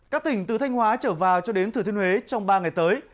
các tỉnh từ thanh hóa trở vào cho đến thừa thiên huế trong ba ngày tới